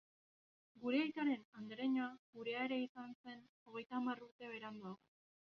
Gure aitaren andereñoa gurea ere izan zen hogeita hamar urte beranduago.